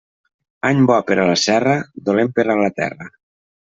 Any bo per a la serra, dolent per a la terra.